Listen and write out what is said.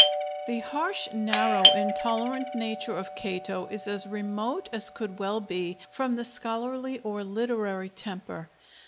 The harsh, narrow, intolerant nature of Cato is as remote as could well be from the scholarly or literary temper.